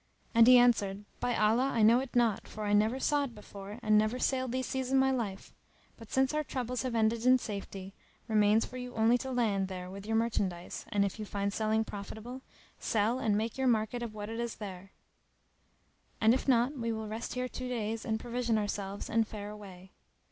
and he answered By Allah I wot not, for I never saw it before and never sailed these seas in my life: but, since our troubles have ended in safety, remains for you only to land there with your merchandise and, if you find selling profitable, sell and make your market of what is there; and if not, we will rest here two days and provision ourselves and fare away."